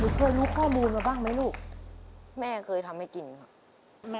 เคยรู้ข้อมูลมาบ้างไหมลูกแม่เคยทำให้กินค่ะ